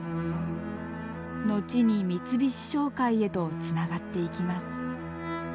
後に三菱商会へとつながっていきます。